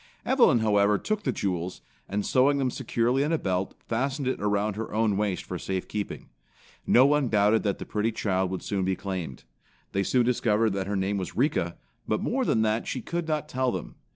Evelyn, however, took the jewels, and sewing them securely in a belt, fastened it around her own waist for safekeeping. No one doubted that the pretty child would soon be claimed. They soon discovered that her name was Rika, but more than that she could not tell them.